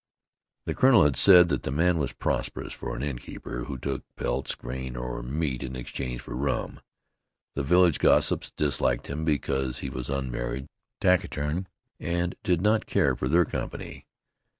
The colonel had said that the man was prosperous for an innkeeper who took pelts, grain or meat in exchange for rum. The village gossips disliked him because he was unmarried, taciturn, and did not care for their company.